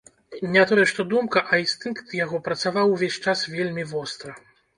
Не то што думка, а інстынкт яго працаваў увесь час вельмі востра.